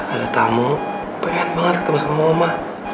ada tamu pengen banget ketemu sama mama